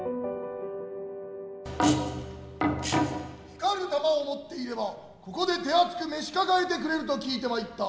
光る玉を持っていればここで手厚く召し抱えてくれると聞いて参った。